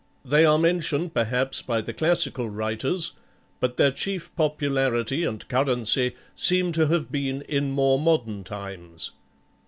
They are mentioned perhaps by the classical writers, but their chief popularity and currency seem to have been in more modern times.